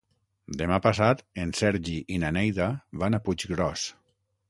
Demà passat en Sergi i na Neida van a Puiggròs.